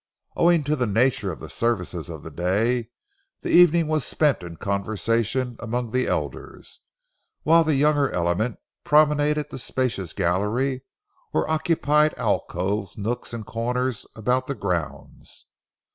Owing to the nature of the services of the day, the evening was spent in conversation among the elders, while the younger element promenaded the spacious gallery, or occupied alcoves, nooks, and corners about the grounds.